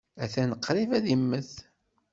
Atan qrib ad yemmet.